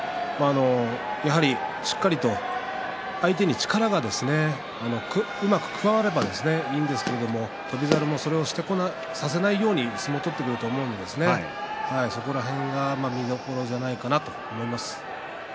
やはりしっかりと相手に力がうまく加わればいいんですけれど翔猿もそれをさせないように相撲を取ってくると思うのでそこら辺が見どころじゃないかなと思います。